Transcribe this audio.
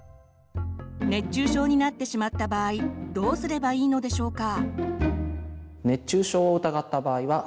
熱中症になってしまった場合どうすればいいのでしょうか？